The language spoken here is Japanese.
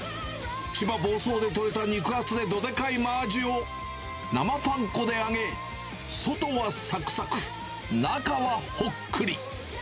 千葉・房総で取れた肉厚でどでかいマアジを、生パン粉で揚げ、外はさくさく、中はほっくり。